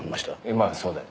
まあそうだよ。